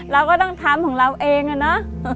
เราก็ต้องทำของเราเองอะเนาะ